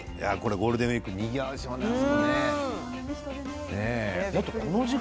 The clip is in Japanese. ゴールデンウイークにぎわうんでしょうね。